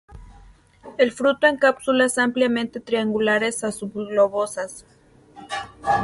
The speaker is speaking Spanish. El fruto en cápsulas ampliamente triangulares a subglobosas.